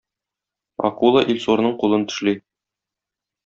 Акула Илсурның кулын тешли.